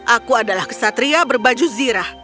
aku adalah kesatria berbaju zirah